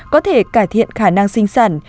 có thể cải thiện khả năng sinh sản